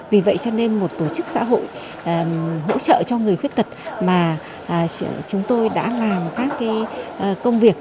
vì vậy cho nên một tổ chức xã hội hỗ trợ cho người khuyết tật mà chúng tôi đã làm các công việc